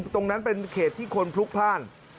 ตรงนั้นเป็นเขตที่คนพลุกพลาด